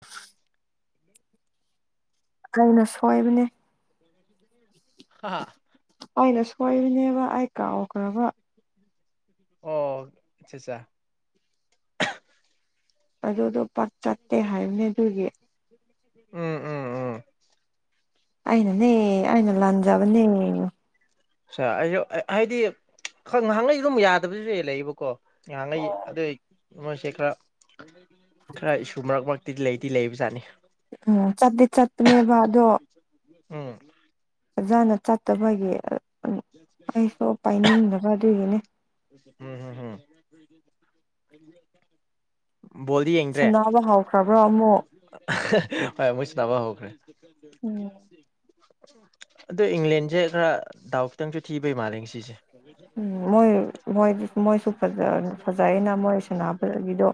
ꯎꯝ ꯀꯩꯅ ꯁꯣꯏꯕꯅꯦ ꯍꯥ ꯑꯩꯅ ꯁꯣꯏꯔꯤꯕꯅꯦꯕ ꯑꯩ ꯀꯥꯎꯈ꯭ꯔꯕ ꯑꯣ ꯑꯆꯥ ꯑꯠꯆꯥ ꯑꯗꯨꯗꯣ ꯄꯥꯛ ꯆꯠꯇꯦ ꯍꯥꯏꯕꯅꯦ ꯑꯗꯨꯒꯤ ꯎꯝ ꯎꯝ ꯎꯝ ꯑꯩꯅꯅꯦ ꯑꯏꯩꯅ ꯂꯥꯟꯖꯕꯅꯦ ꯑ ꯑꯩꯁꯨ ꯍꯥꯏꯗꯤ ꯉꯥꯏꯍꯥꯛ ꯂꯩꯩ ꯑꯗꯨꯝ ꯌꯥꯗꯕꯁꯨ ꯍ ꯂꯩꯕꯀꯣ ꯉꯥꯡꯉꯩꯏ ꯑꯗꯨ ꯃꯣꯏꯁꯦ ꯈꯔ ꯈꯔ ꯏꯁꯨ ꯃꯔꯛꯃꯛ ꯇꯤꯗꯤ ꯂꯩꯗꯤ ꯂꯩꯕꯖꯥꯠꯅꯤ ꯎꯝ ꯆꯠꯇꯠꯇꯗꯤ ꯆꯠꯄꯅꯦꯕ ꯑꯗꯣ ꯎꯝ ꯑꯣꯖꯥꯅ ꯆꯠꯇꯕꯒꯤ ꯑꯩꯁꯨ ꯄꯥꯏꯅꯤꯡꯗꯕ ꯑꯗꯨꯒꯤꯅꯦ ꯎꯝ ꯍꯝ ꯎꯝ ꯕꯣꯜꯗꯤ ꯌꯦꯡꯗ꯭ꯔꯦ ꯁꯥꯟꯅꯕ ꯍꯧꯈ꯭ꯔꯕ꯭ꯔꯣ ꯑꯃꯨꯛ ꯍ ꯃꯣꯏꯁꯅꯥꯅꯕ ꯍꯧꯈ꯭ꯔꯦ ꯎꯝ ꯑꯗ ꯏꯪꯂꯦꯟꯁꯦ ꯈꯔ ꯗꯥꯎꯛꯇꯪꯁꯨ ꯊꯤꯕꯩ ꯃꯥꯜꯂꯦ ꯉꯁꯤꯁꯦ ꯎꯝ ꯃꯣꯏꯣꯏ ꯃꯣꯏꯁꯨ ꯐꯖ ꯑꯩꯅ ꯃꯣꯏ ꯁꯥꯟꯅꯕꯒꯤꯗꯣ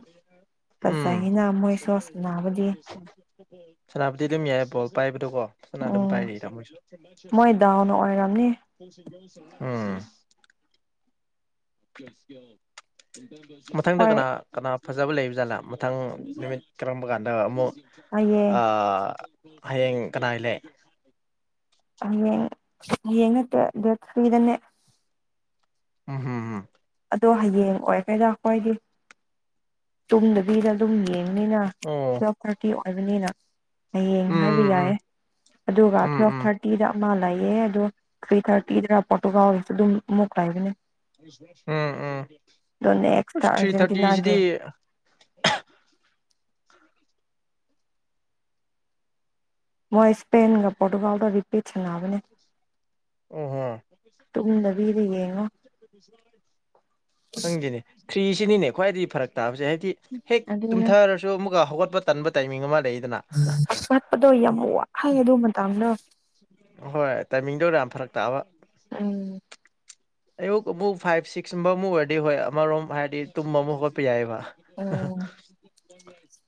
ꯎꯝ ꯐꯖꯩꯅ ꯃꯣꯏꯁꯨ ꯁꯥꯟꯅꯕꯗꯤ ꯁꯅꯥꯄꯇꯗꯤ ꯃꯌꯥꯥꯏ ꯄꯣ ꯄꯥꯏꯕꯗꯣꯀꯣ ꯐꯖꯅ ꯑꯗꯨꯝ ꯎꯝ ꯄꯥꯏꯔ ꯇꯥꯃꯣꯏꯁꯨ ꯃꯣꯏ ꯗꯥꯎꯅ ꯑꯣꯏꯔꯝꯅꯤ ꯎꯝ ꯃꯊꯪꯗ ꯍꯣꯏ ꯀꯅꯥ ꯀꯅꯥ ꯐꯖꯕ ꯂꯩꯕ ꯖꯥꯠꯂꯥ ꯃꯈꯤꯊꯪ ꯅꯨꯃꯤꯠ ꯀꯔꯝꯕ ꯀꯥꯟꯗ ꯑꯃꯨꯛ ꯍꯌꯦꯡ ꯍꯌꯦꯡ ꯀꯅꯥ ꯂꯩ ꯌꯦꯡ ꯌꯦꯉꯠꯇꯁꯨꯗꯟꯅꯦ ꯎꯝ ꯍꯝ ꯑꯗꯣ ꯍꯌꯦꯡꯉꯛꯑꯣꯏ ꯀꯩꯗꯣ ꯑꯩꯈꯣꯏꯗꯤ ꯇꯨꯡꯗꯕꯤꯗ ꯑꯗꯨꯝ ꯌꯦꯡꯉ ꯅꯤꯅ ꯑꯣ ꯇꯨ ꯊꯥꯔꯇꯤ ꯑꯣꯏꯕꯅꯤꯅ ꯍꯌꯦꯡ ꯎꯝ ꯍꯥꯏꯕ ꯎꯝ ꯌꯥꯏꯦ ꯑꯗꯨꯒ ꯎꯝ ꯊꯜꯞ ꯎꯝ ꯊꯥꯔꯇꯤꯗ ꯃꯥ ꯂꯩꯑꯦ ꯑꯗꯣ ꯊ꯭ꯔꯤ ꯊꯥꯔꯇꯤꯗꯅ ꯄꯣꯇꯣꯀꯥꯎꯔꯤꯁꯨ ꯑꯗꯨꯝ ꯃꯨꯛ ꯂꯥꯛꯕꯅꯦ ꯎꯝ ꯅꯦꯛꯁꯇ ꯎꯝꯁ ꯊ꯭ꯔꯤ ꯑꯥꯔꯖꯦꯟꯇꯤꯅꯥꯒꯤ ꯊꯥꯔꯇꯤꯁꯤꯗꯤ [inaudible] ꯃꯣꯏ ꯏꯁꯄꯦꯟꯒ ꯄꯣꯇꯨꯒꯜꯗꯔꯤꯄꯤꯠ ꯑꯣꯍꯣ ꯇꯨꯝꯗꯕꯤꯗ ꯌꯦꯡꯉꯣ ꯈꯪꯗꯅꯤ ꯈ꯭ꯔꯤꯁꯤꯅꯤꯅꯦ ꯈ꯭ꯋꯥꯏꯗꯒꯤ ꯐꯔꯛ ꯇꯥꯕꯁꯦ ꯍꯥꯏꯗꯤ ꯍꯦꯛ ꯑꯗꯨꯅ ꯇꯨꯝꯊꯔꯁꯨ ꯑꯃꯨꯛꯀ ꯍꯧꯒꯠꯄ ꯇꯟꯕ ꯇꯥꯏꯃꯤꯡ ꯑꯃ ꯂꯩꯅꯤ ꯋꯥꯠꯄꯗꯣ ꯌꯥꯝ ꯋꯥꯍꯩ ꯑꯗꯨ ꯃꯇꯥꯡꯗ ꯍꯣꯏ ꯇꯥꯏꯃꯤꯡꯗꯣꯔ ꯌꯥꯝ ꯐꯔꯛ ꯇꯥꯕ ꯎꯝ ꯑꯌꯨꯛ ꯑꯃꯨꯛ ꯐꯥꯏꯚ ꯁꯤꯛꯁꯀꯨꯝꯕ ꯑꯃꯨꯛ ꯑꯣꯏꯔꯗꯤ ꯍꯣꯏ ꯑꯃꯔꯣꯝ ꯍꯥꯏꯗꯤ ꯇꯨꯝꯕ ꯑꯃꯨꯛ ꯍꯣꯠꯄ ꯌꯥꯏꯑꯕ ꯎꯝ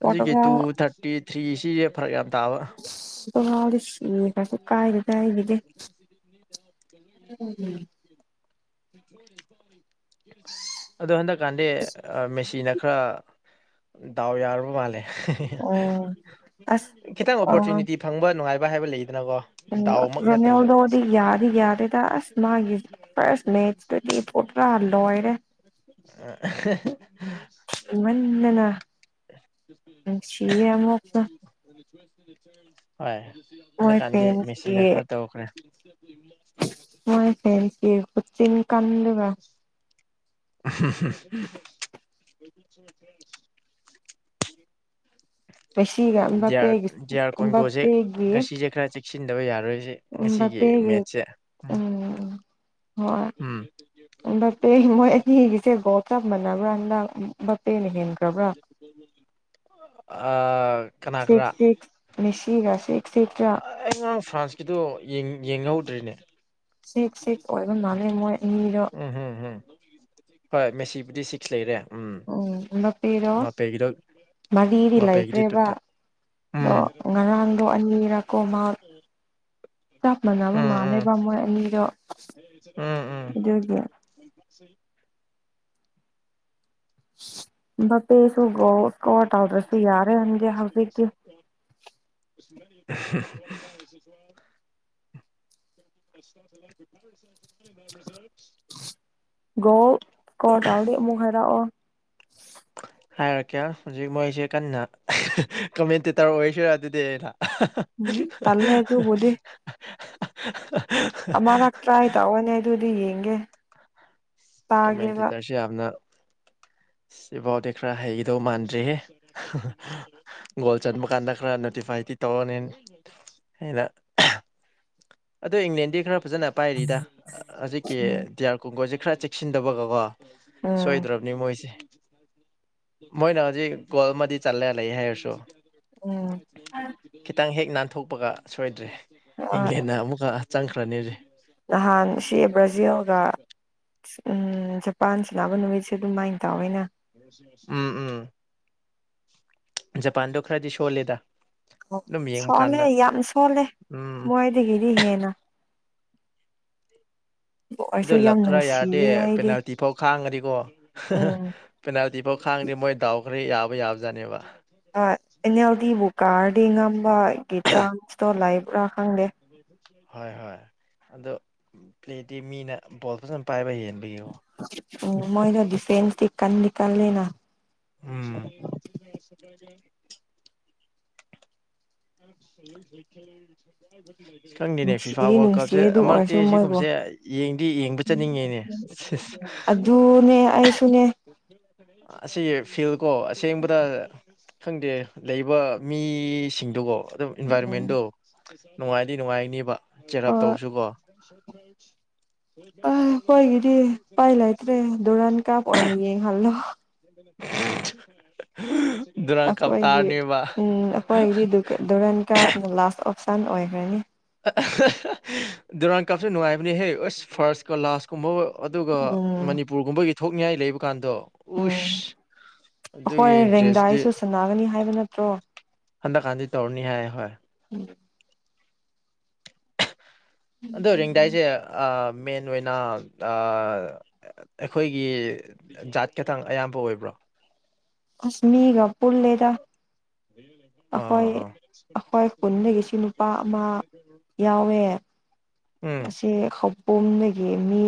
ꯍꯧꯖꯤꯛꯒꯤ ꯇꯨ ꯊꯥꯔꯇꯤ ꯐ꯭ꯔꯤꯁꯤꯁꯦ ꯐꯔꯛ ꯌꯥꯝ ꯇꯥꯕ ꯇꯥꯎꯗ ꯁꯤꯔꯁꯨ ꯀꯥꯏꯔꯦꯗꯏꯔꯤꯗꯤ [inaudible] ꯑꯗꯣ ꯍꯟꯗꯛ ꯀꯥꯟꯗꯗꯤ ꯃꯦꯁꯤꯤꯟ ꯈꯔ ꯗꯥꯎ ꯌꯥꯨꯔꯕ ꯃꯥꯜꯂꯦ ꯎꯝ ꯑꯁ ꯈꯤꯇꯪ ꯑꯣꯄꯣꯔꯆꯨꯅꯤꯇꯤ ꯐꯪꯕ ꯅꯨꯡꯉꯥꯏꯕ ꯍꯥꯏꯕ ꯂꯩ ꯃꯅ ꯑꯣꯗꯣ ꯑꯣꯗꯤ ꯌꯥꯗ ꯌꯥꯗꯦꯗ ꯑꯁ ꯃꯥꯒꯤ ꯁꯅꯦꯍꯤ ꯗ ꯄꯨꯠ꯭ꯔꯥꯍꯜꯂꯣ ꯍꯥꯏꯔꯦ ꯏꯟꯟꯅꯅ [inaudible] ꯍꯣꯏ ꯃꯣꯏ ꯍꯀꯥꯟꯗꯤ ꯐꯦꯟꯁꯀꯤ ꯃꯦꯆꯤꯟꯅ ꯈꯔ ꯇꯧꯈ꯭ꯔꯦ ꯃꯣꯏ ꯐꯁꯤ ꯆꯤꯟ ꯀꯥꯟꯗꯕ [inaudible] [inaudible] ꯃꯦꯁꯤꯒ ꯑꯝꯕꯥꯄꯦꯒꯤ ꯗꯤꯌꯥꯔ ꯀꯣꯟꯒꯣꯁꯦ ꯑꯝꯕꯥꯄꯦꯒꯤ ꯉꯁꯤꯁꯦ ꯈꯔ ꯆꯦꯛꯁꯤꯟꯗꯕ ꯌꯥꯔꯣꯏ ꯉꯁꯤꯒꯤ ꯑꯝꯕꯥꯄꯦꯒꯤ ꯃꯦꯠꯁꯦ ꯍꯣꯏꯄ ꯃꯣꯏ ꯑꯅꯤꯒꯤꯁꯦ ꯒꯣꯞ ꯆꯞ ꯃꯥꯟꯅꯕ꯭ꯔꯥꯗ ꯑ ꯀꯅꯥ ꯀꯔꯥ ꯁꯤꯛꯁ ꯁꯤꯛꯁ ꯃꯦꯁꯤꯒ ꯁꯤꯛꯁ ꯁꯤꯛꯁꯔꯥ ꯑꯩꯉꯥꯡ ꯐ꯭ꯔꯥꯟꯁꯀꯤꯗꯣ ꯌꯦꯡꯍꯧꯗ꯭ꯔꯤꯅꯦ ꯁꯤꯛꯁ ꯁꯤꯛꯁ ꯑꯣꯏꯕ ꯃꯥꯜꯂꯦ ꯃꯣꯏ ꯑꯅꯤꯗꯣ ꯎꯝ ꯎꯝ ꯎꯝ ꯍꯣꯏ ꯃꯦꯁꯤꯕꯨꯗꯤ ꯁꯤꯛꯁ ꯂꯩꯔꯦ ꯎꯝ ꯎꯝꯂꯄꯤꯦꯔꯣ ꯃꯥꯄꯦꯒꯤꯗꯣ ꯃꯔꯤꯗꯤ ꯃꯥꯄꯦꯒꯤꯗꯤ ꯇꯨ ꯂꯩꯈ꯭ꯔꯦꯕ ꯑꯗꯣ ꯎꯝ ꯉꯔꯥꯡꯗꯣ ꯑꯅꯤꯔꯀꯣ ꯃꯥ ꯆꯞ ꯃꯥꯟꯅꯕ ꯎꯝ ꯎꯝ ꯃꯥꯜꯂꯦꯕ ꯃꯣꯏ ꯑꯅꯤꯗꯣ ꯎꯝ ꯎꯝ ꯑꯗꯨꯒꯤ ꯦ ꯄꯦꯁ ꯍꯧꯖꯤꯛꯇꯤ [inaudible] [inaudible] [inaudible] ꯣ ꯀ ꯇꯧꯔꯤꯕꯨꯛ ꯍꯔ ꯍꯥꯏꯔꯛꯀꯦ ꯍꯧꯖꯤꯛ ꯃꯣꯏꯁꯦ ꯀꯟꯅ ꯀꯃꯦꯟꯇꯦꯇꯔ ꯑꯣꯏꯔꯁꯔ ꯑꯗꯨꯗꯤ ꯑꯩꯅ ꯎꯝ ꯇꯜꯂꯦ ꯑꯗꯨꯕꯨꯗꯤ [inaudible] ꯑꯃꯔꯛ ꯇ꯭ꯔꯥꯏ ꯇꯧꯔꯅꯦ ꯑꯗꯨꯗꯤ ꯌꯦꯡꯒꯦ ꯀꯃꯇꯤ ꯇꯥꯒꯦꯕ ꯇꯔꯁꯤ ꯑꯅ ꯁꯤꯐꯥꯎꯗꯤ ꯈꯔ ꯍꯩꯈꯤꯗꯧ ꯃꯥꯟꯗ꯭ꯔꯤꯍꯦ ꯒꯣꯜ ꯆꯟꯕ ꯀꯥꯟꯗ ꯈꯔ ꯅꯣꯇꯤꯐꯥꯏꯇꯤ ꯇꯧꯔꯅꯤ ꯑꯩꯅ ꯑꯗꯣ ꯏꯪꯂꯦꯟꯗꯤ ꯈꯔ ꯐꯖꯅ ꯄꯥꯏꯔꯤꯗ ꯍꯧꯖꯤꯛꯀꯤ ꯎꯝ ꯗꯤꯌꯥꯔ ꯀꯣꯡꯒꯣ ꯈꯔ ꯆꯦꯛꯁꯤꯟꯗꯕꯒꯀꯣ ꯎꯝ ꯁꯣꯏꯗ꯭ꯔꯕꯅꯤ ꯃꯣꯏꯁꯦ ꯃꯣꯏꯅ ꯍꯧꯖꯤꯛ ꯀꯣꯜ ꯃꯗꯤ ꯆꯠꯂꯦ ꯂꯩ ꯍꯥꯏꯔꯁꯨ ꯎꯝ ꯈꯤꯇꯪ ꯍꯦꯛ ꯅꯥꯟꯊꯣꯛꯄꯒ ꯁꯣꯏꯗ꯭ꯔꯦ ꯏꯪꯂꯦꯟꯅ ꯑꯃꯨꯛ ꯀꯀꯥ ꯆꯪ ꯈ꯭ꯔꯅꯤ ꯍꯧꯖꯤꯛ ꯅꯍꯥꯟ ꯁꯤ ꯕ꯭ꯔꯥꯖꯤꯜꯒ ꯎꯝ ꯖꯄꯥꯟ ꯁꯅꯥꯕ ꯅꯨꯃꯤꯠꯁꯦ ꯑꯗꯨꯃꯥꯏꯅ ꯇꯥꯋꯦꯅ ꯎꯝ ꯎꯝ ꯖꯄꯥꯟꯗꯣ ꯈꯔꯗꯤ ꯁꯣꯜꯂꯦꯗ ꯑꯣ ꯑꯗꯨꯝ ꯌꯦꯡꯕ ꯁꯣꯜꯂꯦ ꯀꯥꯟꯗ ꯌꯥꯝ ꯁꯣꯜꯂꯦ ꯎꯝ ꯃꯣꯏꯗꯒꯤꯗꯤ ꯍꯦꯟꯅ ꯑꯗꯨ ꯑꯣꯏꯔꯁꯨ ꯌꯥꯝ ꯂꯛꯈ꯭ꯔ ꯌꯥꯔꯗꯤ ꯅꯨꯡꯁꯤꯌꯦ ꯑꯩꯗꯤ ꯄꯦꯅꯥꯜꯇꯤ ꯐꯥꯎ ꯈꯥꯡꯉꯗꯤ ꯀꯣ ꯎꯝ ꯄꯦꯅꯥꯜꯇꯤ ꯐꯥꯎ ꯈꯥꯡꯉꯥꯗꯤ ꯃꯣꯏ ꯗꯥꯎ ꯈꯔꯥ ꯌꯥꯕ ꯌꯥꯕꯖꯥꯠꯅꯦꯕ ꯑꯦꯅꯦꯜꯗꯤꯕꯨ ꯀꯥꯔꯗꯤ ꯉꯝꯕꯒꯤ ꯆꯥꯟꯁꯇꯣ ꯂꯩꯕ꯭ꯔꯥ ꯈꯪꯗꯦ ꯍꯣꯏ ꯍꯣꯏ ꯑꯗꯣ ꯄ꯭ꯂꯦꯗꯤ ꯃꯤꯅ ꯕꯣꯜ ꯐꯖꯅ ꯄꯥꯏꯕ ꯍꯦꯜ ꯎ ꯃꯣꯏꯅ ꯗꯤꯐꯦꯟ ꯇꯤ ꯀꯟꯗꯤ ꯀꯜꯂꯦꯅ ꯎ [inaudible] ꯈꯪꯗꯦꯅꯦ ꯐꯤꯐꯥ ꯅꯨꯡꯁꯤꯗꯤ ꯋꯥꯔꯜ ꯅꯨꯡꯁꯤꯌꯦ ꯀꯞꯁꯦ ꯑꯗꯨ ꯑꯃ ꯃꯔꯛꯇꯤ ꯑꯣꯏꯔꯁꯨ ꯃꯣꯏꯕꯨ ꯁꯤꯒꯨꯝꯕꯁꯦ ꯌꯦꯡꯗꯤ ꯌꯦꯡꯕ ꯆꯠꯅꯤꯡꯉꯦꯅꯦ ꯑꯗꯨꯅꯦ ꯑꯩꯁꯨꯅꯦ [inaudible] ꯑꯁꯤ ꯐꯤꯜꯀꯣ ꯑꯁꯦꯡꯕꯗ ꯈꯪꯗꯦ ꯂꯩꯕ ꯃꯤꯁꯤꯡꯗꯨꯒꯣ ꯑꯗꯨꯝ ꯏꯟꯚꯥꯏꯔꯣꯟꯃꯦꯟꯗꯣ ꯅꯨꯡꯉꯥꯏꯗꯤ ꯅꯨꯡꯉꯥꯏꯅꯤꯕ ꯆꯦꯛꯑꯞ ꯑꯣ ꯇꯧꯁꯨꯀꯣ ꯑ ꯍꯣꯏꯒꯤꯗꯤ ꯎꯄꯥꯏ ꯂꯩꯇ꯭ꯔꯦ ꯗꯨꯔꯥꯟ ꯀꯥꯞ ꯑꯣꯏꯅ ꯌꯦꯡꯍꯜꯂꯣ [inaudible] ꯀꯞ ꯑꯩꯈꯣꯏꯒꯤ ꯇꯥꯔꯅꯦꯕ ꯎꯝ ꯑꯩꯈꯣꯏꯗꯤ ꯗꯨꯔꯀꯟ ꯗꯨꯔꯟ ꯀꯞꯄꯅꯥ ꯂꯥꯁ ꯑꯣꯞꯁꯟ ꯑꯣꯏꯈ꯭ꯔꯅꯤ ꯗꯗꯨꯨꯔꯪ ꯀꯥꯞꯁꯦ ꯅꯨꯡꯉꯥꯏꯕꯅꯤ ꯍꯦ ꯑꯁ ꯐꯥꯔꯁꯀ ꯂꯥꯁꯀ ꯀꯨꯝꯕꯥ ꯑꯗꯨꯒ ꯎꯝ ꯃꯅꯤꯄꯨꯔꯒꯨꯝꯕꯒꯤ ꯊꯣꯛꯅꯤꯡꯉꯥꯏ ꯂꯩꯕ ꯀꯥꯟꯗꯣ ꯎꯝ ꯎꯁ ꯑꯗꯨꯒꯤ ꯑꯩꯈꯣꯏ ꯏꯟꯇꯔꯦꯁꯇꯤ ꯔꯦꯡꯗꯥꯏꯁꯨ ꯁꯥꯟꯅꯒꯅꯤ ꯍꯥꯏꯕ ꯅꯠꯇ꯭ꯔꯣ ꯍꯟꯗꯛꯀꯥꯟꯗꯤ ꯇꯧꯔꯅꯤ ꯍꯥꯏ ꯍꯣꯏ ꯎ ꯑꯗꯣ ꯔꯤꯡꯗꯥꯏꯁꯦ ꯑ ꯃꯦꯟ ꯑꯣꯏꯅ ꯑꯩꯈꯣꯏꯒꯤ ꯖꯥꯠ ꯈꯇꯪ ꯑꯌꯥꯝꯕ ꯑꯣꯏꯕ꯭ꯔꯣ ꯑꯁ ꯃꯤꯒ ꯄꯨꯨꯂꯦꯗ ꯍ ꯑꯩꯈꯣꯏ ꯈꯨꯟꯗꯒꯤꯁꯨ ꯅꯨꯄꯥ ꯑꯃ ꯑꯥ ꯌꯥꯎꯋꯦ ꯑꯥ ꯎꯝ ꯑꯁꯤ ꯈꯥꯕꯣꯝꯗꯒꯤ ꯃꯤ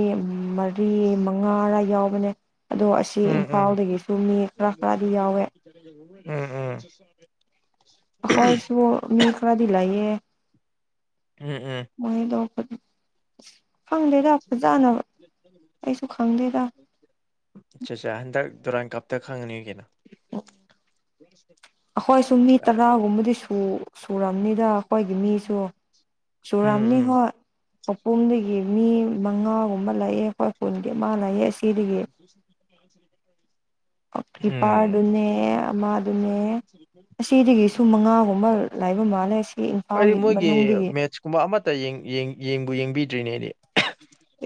ꯃꯔꯤ ꯃꯉꯥꯔ ꯔꯥ ꯌꯥꯎꯕꯅꯦ ꯑꯗꯣ ꯑꯁꯤ ꯎꯝ ꯎꯝ ꯏꯝꯐꯥꯜꯗꯒꯤꯁꯨ ꯃꯤ ꯈꯔ ꯈꯔꯗꯤ ꯌꯥꯎꯋꯦ ꯎꯝ ꯎꯝ ꯈꯣꯏꯁꯨ ꯃꯤ ꯈꯔꯗꯤ ꯂꯩꯌꯦ ꯎꯝ ꯎꯝ ꯃꯣꯏꯗꯣ ꯈꯪꯗꯦꯗ ꯐꯖꯅ ꯑꯩꯁꯨ ꯈꯪꯗꯦꯗ ꯑꯆꯥ ꯆꯥ ꯍꯟꯗꯛ ꯗꯗꯨꯔꯥꯟ ꯀꯞꯇ ꯈꯪꯉꯅꯤꯒꯤꯅ [unintelligible] [unintelligible] ꯑꯩꯈꯣꯏꯁꯨ ꯃꯤ ꯇꯔꯥꯒꯨꯝꯕꯗꯤ ꯁꯨ ꯁꯨꯔꯝꯅꯤꯗ ꯑꯩꯈꯣꯏꯒꯤ ꯃꯤꯁꯨ ꯎꯝ ꯆꯨꯔꯝꯅꯤ ꯎꯝ ꯍꯣꯏ ꯈꯧꯄꯨꯝꯗꯒꯤ ꯃꯤ ꯃꯉꯥꯒꯨꯝꯕ ꯂꯩꯌꯦ ꯍꯣꯏ ꯄꯨꯒꯤ ꯑꯃꯥ ꯂꯩꯌꯦ ꯑꯁꯤꯗꯥꯒꯤ ꯎꯝ ꯀꯤꯄꯥꯔꯗꯨꯅꯦ ꯑꯃꯗꯨꯅꯦ ꯑꯁꯤꯗꯒꯤꯁꯨ ꯃꯉꯥꯒꯨꯝꯕ ꯂꯥꯏꯕ ꯃꯥꯜꯂꯦ ꯁꯤ ꯑꯩꯗꯤ ꯏꯝꯐꯥꯜꯒꯤ ꯃꯣꯏꯒꯤ ꯃꯅꯨꯡꯗꯒꯤ ꯃꯦꯠꯁꯀꯨꯝꯕ ꯑꯃꯠꯇ ꯌꯦꯡꯕꯨ ꯌꯦꯡꯕꯤꯗ꯭ꯔꯤꯅꯦ ꯑꯩꯗꯤ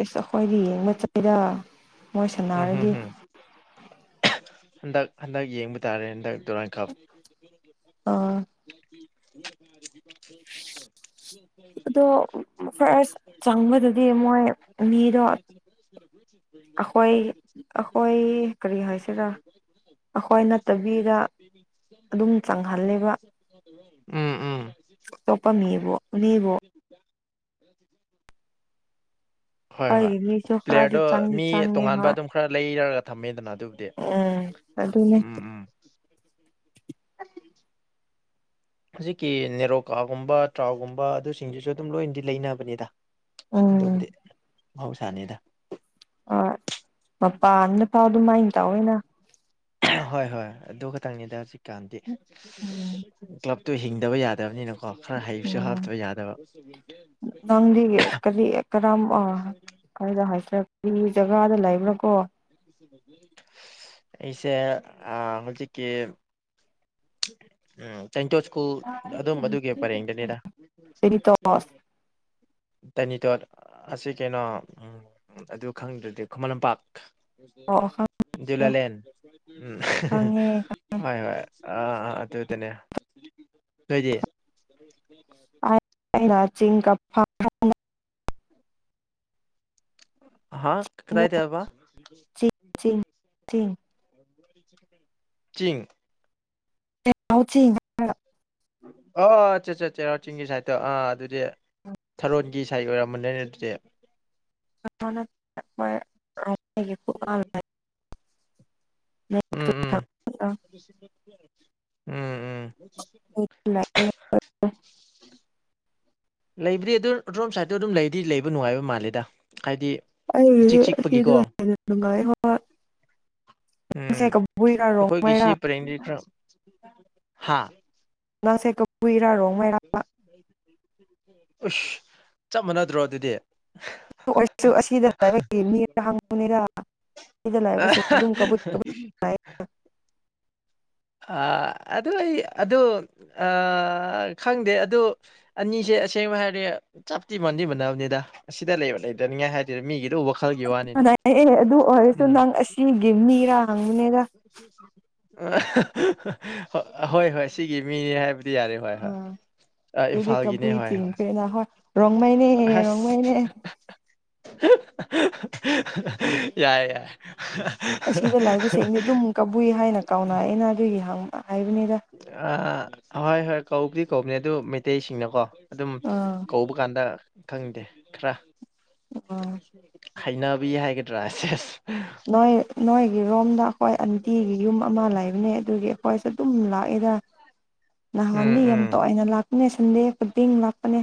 ꯑꯁ ꯑꯩꯈꯣꯏꯗꯤ ꯌꯦꯡꯕ ꯆꯠꯂꯤꯗ ꯃꯣꯏ ꯎꯝ ꯍꯝ ꯁꯥꯟꯅꯔꯗꯤ ꯍꯝ ꯍꯟꯗꯛ ꯍꯟꯗꯛ ꯌꯦꯡꯕ ꯇꯥꯔꯦ ꯍꯟꯗꯛ ꯗꯨꯔꯥꯡ ꯀꯞ ꯑꯥ ꯑꯗꯣ ꯐꯥꯔꯁ ꯆꯪꯕꯗꯗꯤ ꯃꯣꯏ ꯃꯤꯗꯣ [unintelligible] ꯑꯩꯈꯣꯏ ꯑꯩꯈꯣꯏ ꯀꯔꯤ ꯍꯥꯏꯁꯤꯦꯔ ꯑꯩꯈꯣꯏ ꯅꯠꯇꯕꯤꯒ ꯑꯗꯨꯝ ꯆꯪꯍꯜꯂꯦꯕ ꯎꯝ ꯎꯝ ꯑꯇꯣꯞꯄ ꯃꯤꯕꯨꯣ ꯅꯅꯦꯕꯨꯣ ꯍꯣꯏ ꯍꯣꯏ ꯑꯩꯈꯣꯏꯒꯤ ꯃꯤꯁꯨ ꯈꯔꯗꯤ ꯄ꯭ꯂꯦꯌꯔꯗꯣ ꯆꯪꯗꯤ ꯃꯤ ꯆꯪꯉꯦ ꯇꯣꯉꯥꯟꯕ ꯍꯣꯏ ꯑꯗꯨꯝ ꯈꯔ ꯂꯩꯔꯒ ꯊꯝꯃꯦꯗꯅ ꯑꯗꯨꯕꯨꯗꯤ ꯎꯝ ꯑꯗꯨꯅꯦ ꯎꯝ ꯎꯝ ꯍꯧꯖꯤꯛꯀꯤ ꯅꯦꯔꯣꯀꯥꯒꯨꯝꯕ ꯇ꯭ꯔꯥꯎꯒꯨꯝꯕ ꯑꯗꯨꯁꯤꯡꯗꯨꯁꯨ ꯑꯗꯨꯝ ꯂꯣꯏꯅꯗꯤ ꯂꯩꯅꯕꯅꯤꯗ ꯎꯝ ꯑꯗꯨꯕꯨꯗꯤ ꯃꯍꯧꯁꯥꯅꯤꯗ ꯍꯣꯏ ꯃꯄꯥꯟꯗ ꯐꯥꯎ ꯑꯗꯨꯃꯥꯏꯅ ꯇꯧꯑꯣꯏꯅ ꯍꯣꯏ ꯍꯣꯏ ꯑꯗꯨ ꯈꯛꯇꯪꯅꯤꯗ ꯎꯝ ꯍꯧꯖꯤꯛꯀꯥꯟꯗꯤꯞ ꯇꯨ ꯍꯤꯡꯗꯕ ꯌꯥꯗꯕꯅꯤꯅꯣ ꯀꯣ ꯈꯔ ꯍꯩꯁꯨ ꯎꯝ ꯍꯥꯞꯇꯕ ꯅꯪꯗꯤ ꯌꯥꯗꯕ ꯈꯔꯗ ꯍꯥꯏꯖꯔꯛꯄꯤ ꯖꯒꯥꯗ ꯂꯩꯕ꯭ꯔꯥ ꯀꯣ [unintelligible] ꯏꯁꯦ ꯑ ꯍꯧꯣꯏꯁꯦ ꯀ ꯎꯝ ꯁꯇꯣ ꯁ꯭ꯀꯨꯜ ꯑꯗꯨꯝ ꯑꯗꯨꯒꯤ ꯄꯔꯦꯡꯗꯅꯤꯗ ꯇꯅꯤꯇꯣꯠ ꯑꯁꯤ ꯀꯩꯅꯣ ꯑꯗꯨ ꯈꯪꯗ꯭ꯔꯗꯤ ꯈꯨꯃꯟ ꯂꯝꯄꯥꯛ ꯑꯣ ꯈꯪꯉꯦ ꯗꯨꯂꯥꯂꯦꯟ ꯈꯪꯉꯦ ꯍꯣꯏ ꯍꯣꯏ ꯑꯥ ꯑꯥ ꯑꯗꯨꯗꯅꯦ ꯅꯣꯏꯗꯤ ꯑꯅ ꯆꯤꯡ ꯀ ꯐ ꯍꯥꯥ ꯀꯗꯥꯥꯏꯗꯦꯕꯥ ꯇꯤꯟ ꯆꯤꯡ ꯎꯁꯤ ꯉ ꯑꯣ ꯑꯆꯥ ꯑꯆꯥ ꯆꯦꯔꯥꯎ ꯆꯤꯡꯒꯤ ꯁꯥꯏꯗꯠꯇꯣ ꯑꯥ ꯑꯗꯨꯗꯤ ꯊꯔꯣꯟꯒꯤ ꯁꯥꯏꯠ ꯑꯣꯏꯔꯝꯕ ꯅꯣꯏ ꯑꯗꯨꯗꯤ ꯃꯦ ꯎꯝ ꯎꯝ ꯎꯝ ꯎꯝ ꯐ ꯂꯩꯕꯔꯤ ꯑꯗꯨ ꯔꯣꯝ ꯁꯥꯏꯗꯠꯇꯣ ꯑꯗꯨꯝ ꯂꯩꯗꯤ ꯂꯩꯕ ꯅꯨꯡꯉꯥꯏꯕ ꯃꯥꯜꯂꯦꯗ ꯍꯥꯏꯗꯤ ꯏꯆꯤꯛ ꯆꯤꯛꯄꯒꯤꯀꯣ ꯑꯩꯥꯏ ꯎꯝ ꯔꯣꯡꯃꯩꯔꯥ ꯑꯩꯈꯣꯏꯒꯤꯁꯤ ꯄꯔꯦꯡ ꯈꯔ ꯍꯥꯥ ꯉꯁꯦ ꯀꯕꯨꯏꯔ ꯎꯁ ꯆꯞ ꯃꯥꯟꯅꯗ꯭ꯔꯣ ꯑꯗꯨꯗꯤ ꯑꯗꯨ ꯑꯣꯏꯁꯨ ꯑꯁꯤꯗꯒꯤ ꯃꯤꯔ ꯍꯪꯉꯨꯅꯤꯔꯥ ꯗ ꯂ ꯑ ꯀꯕꯨ ꯀ ꯑꯗꯨ ꯑꯩ ꯑꯗꯨ ꯈꯪꯗꯦ ꯑꯗꯨ ꯑꯅꯤꯁꯦ ꯑꯁꯦꯡꯕ ꯍꯥꯏꯔꯗꯤ ꯆꯥꯞꯇꯤ ꯃꯟꯗꯤ ꯃꯅꯕꯅꯤꯗ ꯑꯁꯤꯗ ꯂꯩꯕ ꯂꯩꯗꯅꯤꯡꯉꯥꯏ ꯍꯥꯏꯔ ꯃꯤꯒꯤꯗꯤ ꯎꯕ ꯑ ꯑꯗꯨ ꯑꯣꯏꯔꯁꯨ ꯅꯪ ꯑꯁꯤꯒꯤ ꯃꯤꯔ ꯍꯪꯕꯅꯤꯗ ꯍꯣꯏ ꯍꯣꯏ ꯁꯤꯒꯤ ꯃꯤꯅꯤ ꯍꯥꯏꯕꯗꯤ ꯌꯥꯔꯦ ꯍꯣꯏ ꯎꯝ ꯍꯣꯏ ꯑꯗꯨꯗꯤ ꯏꯝꯐꯥꯜꯒꯤꯅꯦ ꯀꯕꯨꯏ ꯍꯣꯏ ꯍꯣꯏ ꯆꯤꯡꯈ꯭ꯔꯦꯅ ꯍꯣꯏ ꯔꯣꯡꯃꯩꯅꯦ ꯑꯁ ꯔꯣꯡꯃꯩꯅꯦ ꯌꯥꯏ ꯌꯥꯏ ꯑꯁꯤꯗ ꯂꯥꯛꯏꯕꯁꯦꯡꯗꯤ ꯑꯗꯨꯝ ꯀꯕꯨꯏ ꯍꯥꯏꯅ ꯀꯥꯎꯅꯔꯛꯑꯦꯅ ꯑꯗꯨꯒꯤ ꯍꯥꯏꯕꯅꯤꯗ ꯍꯣꯏ ꯍꯣꯏ ꯀꯧꯕꯗꯤ ꯀꯧꯕꯅꯦ ꯑꯗꯨ ꯃꯩꯇꯩꯁꯤꯡꯅꯀꯣ ꯑꯗꯨꯝ ꯎꯝ ꯀꯧꯕ ꯀꯥꯟꯗ ꯈꯪꯗꯦ ꯈꯔ ꯈꯩꯅꯕꯤ ꯍꯥꯏꯒꯗ꯭ꯔꯥꯁꯦꯁ ꯅꯣꯏ ꯅꯣꯏꯒꯤꯔꯣꯝꯗ ꯑꯩꯈꯣꯏ ꯑꯟꯇꯤꯒꯤ ꯌꯨꯝ ꯑꯃ ꯂꯩꯕꯅꯦ ꯑꯗꯨꯒꯤ ꯑꯩꯈꯣꯏꯁꯨ ꯑꯗꯨꯝ ꯂꯥꯛ ꯂꯥꯛꯏꯦꯗ ꯎꯝ ꯅꯍꯥꯟꯗꯤ ꯌꯥꯝ ꯎꯝ ꯇꯏꯅ ꯂꯥꯛꯄꯅꯦ ꯁꯟꯗꯦ ꯗꯤꯤꯟ ꯅꯅꯥꯄꯅꯦ